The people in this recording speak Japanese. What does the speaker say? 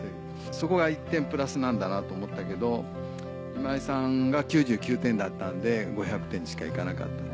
そこが１点プラスなんだなと思ったけど今井さんが９９点だったんで５００点にしかいかなかったと。